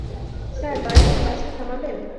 Sir, দয়া করে বাসটা থামাবেন?